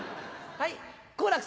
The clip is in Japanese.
はい。